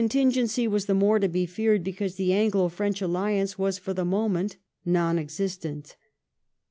175r tingency was the more to be feared, because the Anglo Frenoh alliance was for the moment non existent.